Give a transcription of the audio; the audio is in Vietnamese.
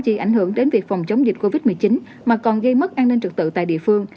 chỉ ảnh hưởng đến việc phòng chống dịch covid một mươi chín mà còn gây mất an ninh trực tự tại địa phương